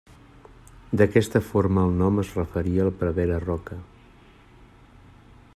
D'aquesta forma el nom es referiria al prevere Roca.